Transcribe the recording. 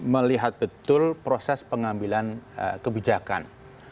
melihat betul proses pengambilan kebijakan